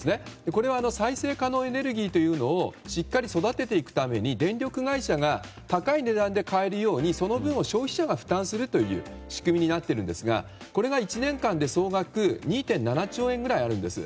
これは再生可能エネルギーというのをしっかり育てていくために電力会社が高い値段で買えるようにその分を消費者が負担するという仕組みになっているんですがこれが１年間で総額２．７兆円ぐらいあるんです。